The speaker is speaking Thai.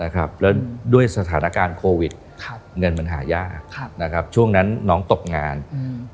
แล้วด้วยสถานการณ์โควิดครับเงินมันหายากครับนะครับช่วงนั้นน้องตกงานอืม